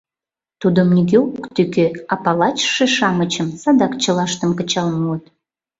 Тудым нигӧ ок тӱкӧ, а палачше-шамычым садак чылаштым кычал муыт.